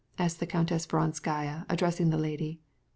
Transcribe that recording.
said Countess Vronskaya, addressing the lady.